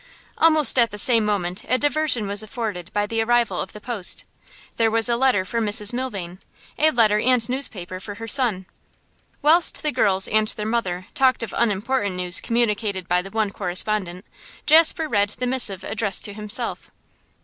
Almost at the same moment a diversion was afforded by the arrival of the post. There was a letter for Mrs Milvain, a letter and newspaper for her son. Whilst the girls and their mother talked of unimportant news communicated by the one correspondent, Jasper read the missive addressed to himself.